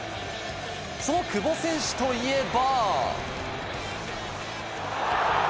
その久保選手といえば。